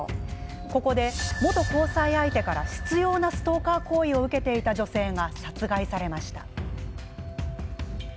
ここで、元交際相手から執ようなストーカー行為を受けていた女性が殺害されました。